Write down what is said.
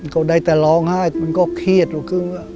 ก็ได้แต่ร้องไห้มันก็เครียดกับกุ้ง